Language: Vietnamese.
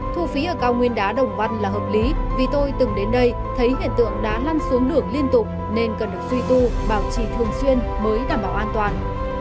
thu phí ở cao nguyên đá đồng văn là hợp lý vì tôi từng đến đây thấy hiện tượng đá lăn xuống đường liên tục nên cần được suy tu bảo trì thường xuyên mới đảm bảo an toàn